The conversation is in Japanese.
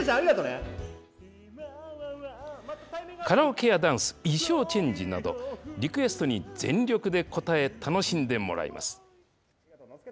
カラオケやダンス、衣装チェンジなど、リクエストに全力で応え、楽しんでもらいます。